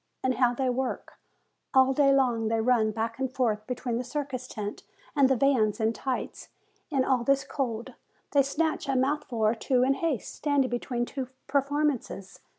And how they work ! All day long they run back and forth between the circus tent and the vans, in tights, in all this cold; they snatch a mouthful or two in haste, standing, between two performances.